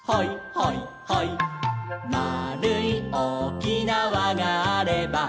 「まあるいおおきなわがあれば」